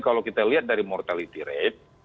kalau kita lihat dari mortality rate